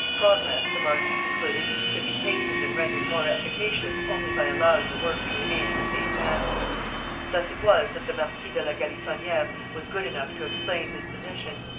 Progress [the marquis concluded] could be hastened and rendered more efficacious only by allowing the work to remain in the same hands. Thus it was that the Marquis de la Galissonière was good enough to explain his position.